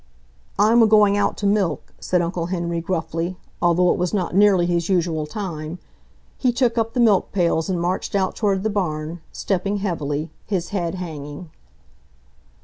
"I'm a going out to milk," said Uncle Henry gruffly, although it was not nearly his usual time. He took up the milk pails and marched out toward the barn, stepping heavily, his head hanging.